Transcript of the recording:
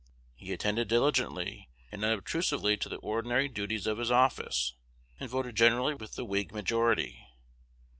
He attended diligently and unobtrusively to the ordinary duties of his office, and voted generally with the Whig majority.